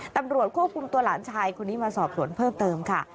ตำรวจควบคุมตัวหลานชายคนนี้มาสอบสวนเพิ่มเติมค่ะ